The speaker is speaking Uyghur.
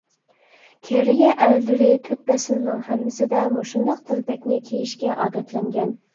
كېرىيە ئەرلىرى تۆت پەسىلنىڭ ھەممىسىدە مۇشۇنداق تەلپەكنى كىيىشكە ئادەتلەنگەن.